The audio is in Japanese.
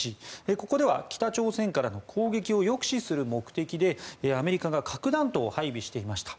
ここでは北朝鮮からの攻撃を抑止する目的でアメリカが核弾頭を配備していました。